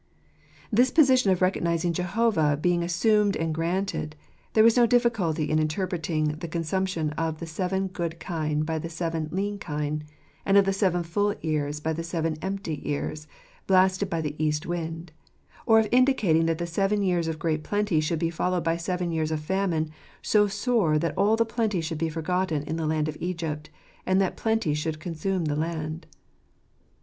This position of recognizing Jehovah being assumed and granted, there was no difficulty in interpreting the consump tion of the seven good kine by the seven lean kine, and of the seven full ears by the seven empty ears, blasted by the east wind; or of indicating that the seven years of great plenty should be followed by seven years of famine, sa sore that all the plenty should be forgotten in the land of Egypt, and that plenty should consume the land.